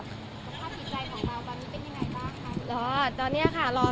สัมภาษณ์ดีใจของเราตอนนี้เป็นยังไงบ้างคะหรอตอนเนี้ยค่ะ